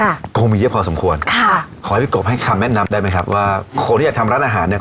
คงมีเยอะพอสมควรค่ะขอให้พี่กบให้คำแนะนำได้ไหมครับว่าคนที่จะทำร้านอาหารเนี้ย